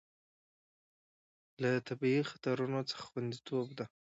له طبیعي خطرونو څخه خوندیتوب ده.